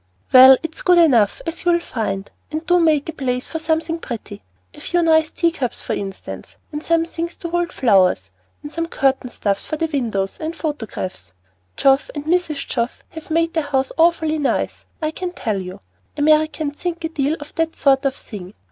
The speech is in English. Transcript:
"Well, it's good enough, as you'll find. And do make a place for something pretty; a few nice tea cups for instance, and some things to hold flowers, and some curtain stuffs for the windows, and photographs. Geoff and Mrs. Geoff have made their house awfully nice, I can tell you. Americans think a deal of that sort of thing.